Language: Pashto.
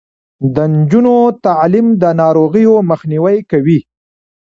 د نجونو تعلیم د ناروغیو مخنیوی کوي.